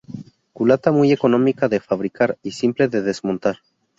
Culata muy económica de fabricar y simple de desmontar.